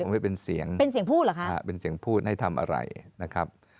ไม่เป็นเสียงเป็นเสียงพูดเหรอคะเป็นเสียงพูดให้ทำอะไรนะครับ